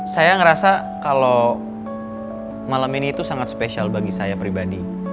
saya ngerasa kalau malam ini itu sangat spesial bagi saya pribadi